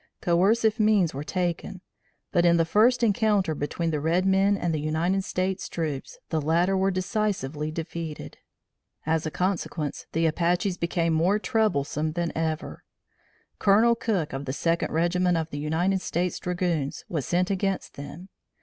Coercive means were taken, but, in the first encounter between the red men and the United States troops, the latter were decisively defeated. As a consequence, the Apaches became more troublesome than ever. Colonel Cook of the Second Regiment of United States Dragoons, was sent against them.